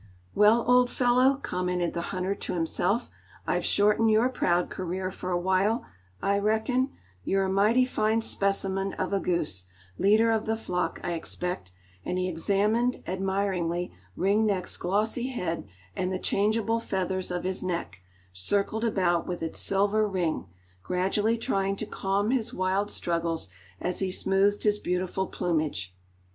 "Well, old fellow," commented the hunter to himself, "I've shortened your proud career for a while, I reckon; you're a mighty fine specimen of a goose; leader of the flock, I expect," and he examined, admiringly, Ring Neck's glossy head, and the changeable feathers of his neck, circled about with its silver ring, gradually trying to calm his wild struggles, as he smoothed his beautiful plumage.